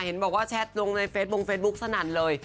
เห็นบอกว่าแชทลงในเฟสบงเฟซบุ๊กสนั่นเลย